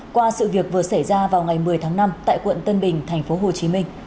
qua sự việc vừa xảy ra vào ngày một mươi tháng năm tại quận tân bình thành phố hồ chí minh